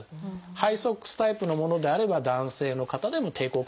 ハイソックスタイプのものであれば男性の方でも抵抗感